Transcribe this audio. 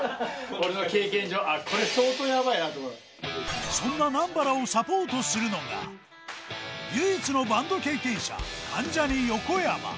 俺の経験上、あっ、これ、そんな南原をサポートするのが、唯一のバンド経験者、関ジャニ・横山。